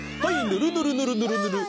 ぬるぬるぬるぬるぬる。